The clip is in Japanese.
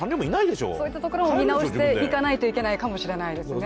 そういったところも見直していかないといけないかもしれないですね。